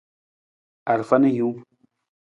Arafa na hiwung.